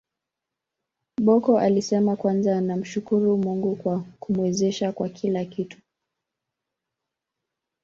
Bocco alisema kwanza anamshukuru Mungu kwa kumwezesha kwa kila kitu